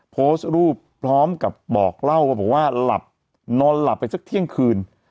โพสต์รูปพร้อมกับบอกเล่ามาบอกว่าหลับนอนหลับไปสักเที่ยงคืน